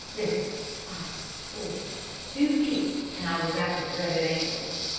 Six, five, four, two feet and I was at the dreaded angle.